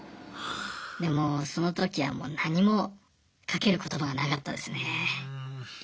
でもうその時はもう何もかける言葉がなかったですね。